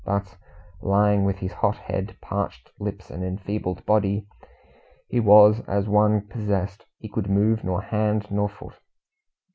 But, lying with hot head, parched lips, and enfeebled body, he was as one possessed he could move nor hand nor foot.